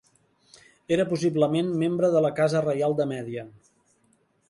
Era possiblement membre de la casa reial de Mèdia.